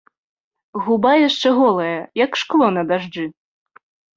Губа яшчэ голая, як шкло на дажджы.